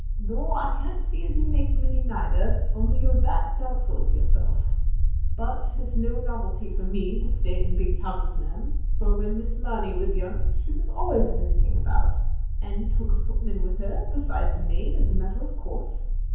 "Nor I can't see as you make many neither, only you 're that doubtful of yourself. But 't is no novelty for me to stay in big houses, ma'am, for when Miss Mamey was yoimg, she was always a visiting about, and took a footman with her besides a maid, as a matter of course.